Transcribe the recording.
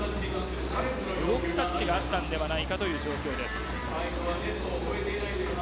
ブロックタッチがあったのではないかという状況です。